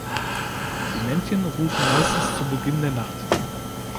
Die Männchen rufen meistens zu Beginn der Nacht.